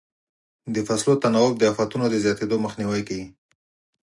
د فصلو تناوب د افتونو د زیاتېدو مخنیوی کوي.